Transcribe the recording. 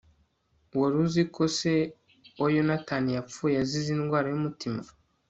Wari uzi ko se wa Yohani yapfuye azize indwara yumutima